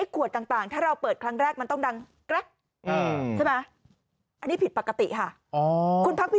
ควรต่างถ้าเราเปิดครั้งแรกมันต้องรักจับสินะอันที่ผิดปกติค่ะ